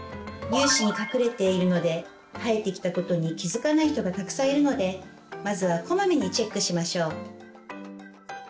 乳歯に隠れているので生えてきたことに気付かない人がたくさんいるのでまずはこまめにチェックしましょう。